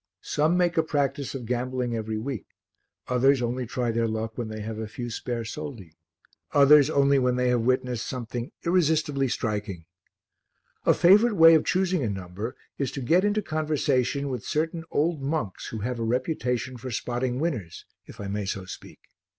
Some make a practice of gambling every week, others only try their luck when they have a few spare soldi, others only when they have witnessed something irresistibly striking. A favourite way of choosing a number is to get into conversation with certain old monks who have a reputation for spotting winners, if I may so speak.